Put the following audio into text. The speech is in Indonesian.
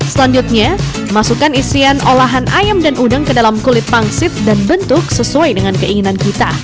selanjutnya masukkan isian olahan ayam dan udang ke dalam kulit pangsit dan bentuk sesuai dengan keinginan kita